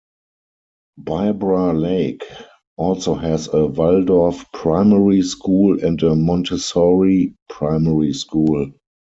Bibra Lake also has a Waldorf primary school and a Montessori primary school.